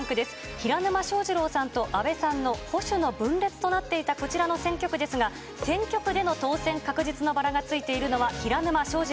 平沼正二郎さんと阿部さんの保守の分裂となっていたこちらの選挙区ですが、選挙区での当選確実のバラがついているのは、平沼正二